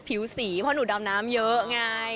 ผิวสีเพราะหนูดำน้ำเยอะไง